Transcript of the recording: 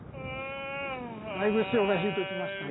だいぶ潮が引いてきましたね。